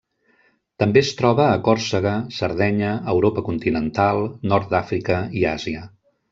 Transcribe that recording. També es troba a Còrsega, Sardenya, Europa continental, nord d'Àfrica i Àsia.